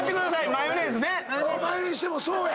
マヨネーズにしてもそうや。